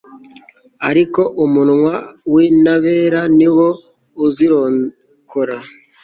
ariko umunwa w'intabera ni wo uzirokora